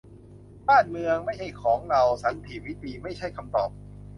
บ้านเมืองไม่ใช่ของเรา : สันติวิธี ไม่ใช่คำตอบ